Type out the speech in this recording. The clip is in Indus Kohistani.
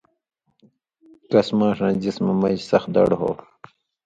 کس ماݜاں جسمہ مژ سخ دڑ ہو